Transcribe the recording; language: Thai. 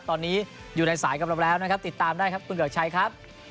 ตอนนี้อยู่ในสายกับเราแล้วนะครับติดตามได้ครับคุณเกือกชัยครับ